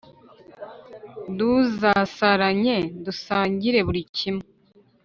Duzasaranganye dusangireburicyimwe!!